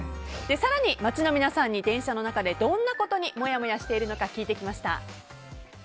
更に街の皆さんに電車の中でどんなことにもやもやしているのか聞いてきました。